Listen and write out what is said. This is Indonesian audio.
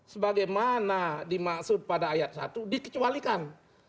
sebagai mana dimaksud pada ayat satu dikecualikan